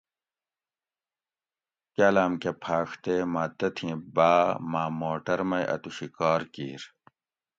کاٞلاٞم کٞہ پھاٞݭ تے مٞہ تتھیں باٞ مٞہ موٹر مئ اٞتوشی کار کیر